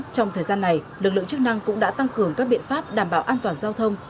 trong thời gian này lực lượng chức năng cũng đã tăng cường các biện pháp đảm bảo an toàn giao thông